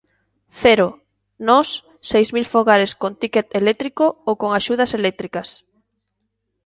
Cero; nós, seis mil fogares con tícket eléctrico ou con axudas eléctricas.